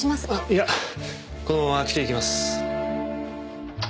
いやこのまま着ていきます。